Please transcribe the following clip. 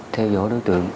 theo dõi đối tượng